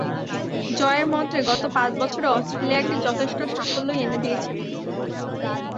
জয়ের মন্ত্রে গত পাঁচ বছরে অস্ট্রেলিয়াকে যথেষ্ট সাফল্যই এনে দিয়েছেন তিনি।